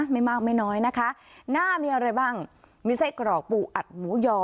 ไม่มากไม่น้อยนะคะหน้ามีอะไรบ้างมีไส้กรอกปูอัดหมูยอ